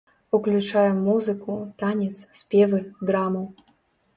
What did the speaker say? Уключае музыку, танец, спевы, драму.